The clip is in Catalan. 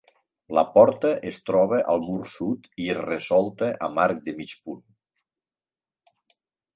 La porta es troba al mur sud i és resolta amb arc de mig punt.